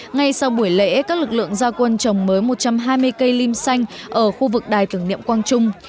ngay sau buổi lễ các lực lượng gia quân trồng mới một trăm hai mươi cây lim xanh ở khu vực đài tưởng niệm quang trung